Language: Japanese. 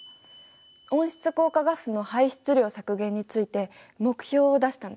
温室効果ガスの排出量削減について目標を出したんだよね。